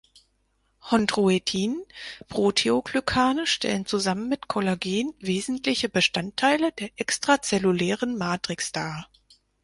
Chondroitin-Proteoglykane stellen zusammen mit Kollagen wesentliche Bestandteile der extrazellulären Matrix dar.